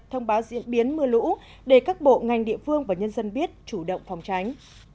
thông báo diễn biến mưa lũ để các bộ ngành địa phương và nhân dân biết chủ động phòng tránh